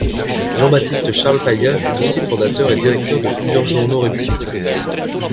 Jean Baptiste Charles Paya fut aussi fondateur et directeur de plusieurs journaux républicains.